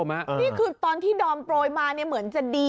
นี่คือตอนที่ดอมโปรยมาเหมือนจะดี